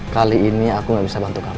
kali ini aku nggak bisa bantu kamu